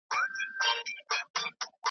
تورو پنجرو کي له زندان سره به څه کوو .